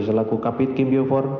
selaku kapit gimpiofor